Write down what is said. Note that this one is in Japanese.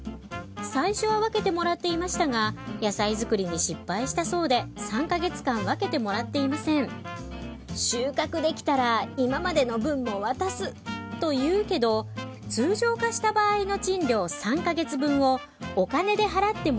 最初は分けてもらっていましたが野菜作りに失敗したそうで３か月間分けてもらっていませんと言うけど通常貸した場合の賃料３か月分をお金で払ってもらえないの？